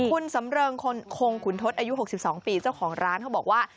คุณสำเริงคงขุนทศอายุ๖๒ปีเจ้าของร้านเขาบอกว่า